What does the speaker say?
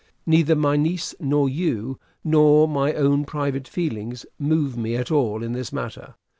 Neither my niece nor you nor my own private feelings, move me at all in this matter.